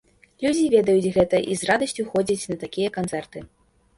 Людзі ведаюць гэта і з радасцю ходзяць на такія канцэрты.